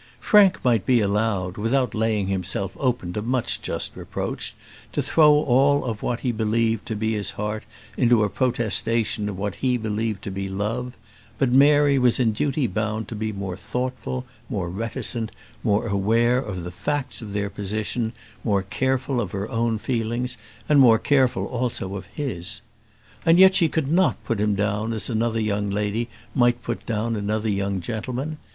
Frank might be allowed, without laying himself open to much just reproach, to throw all of what he believed to be his heart into a protestation of what he believed to be love; but Mary was in duty bound to be more thoughtful, more reticent, more aware of the facts of their position, more careful of her own feelings, and more careful also of his. And yet she could not put him down as another young lady might put down another young gentleman.